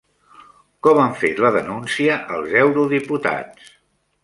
Com han fet la denúncia els eurodiputats?